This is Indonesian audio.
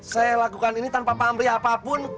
saya lakukan ini tanpa pamri apapun